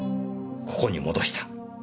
ここに戻した。